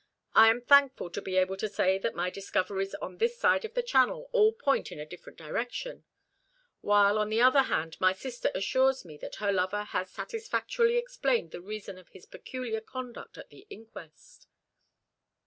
I am thankful to be able to say that my discoveries on this side of the Channel all point in a different direction, while on the other hand my sister assures me that her lover has satisfactorily explained the reason of his peculiar conduct at the inquest."